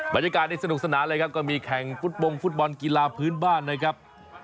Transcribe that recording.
บรรยากาศนี้สนุกสนานเลยครับก็มีแข่งฟุตบงฟุตบอลกีฬาพื้นบ้านนะครับ